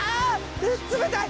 冷たい！